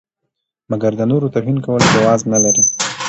مګر د نورو توهین کول جواز نه لري.